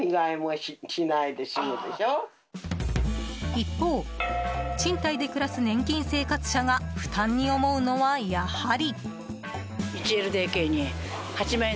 一方、賃貸で暮らす年金生活者が負担に思うのは、やはり。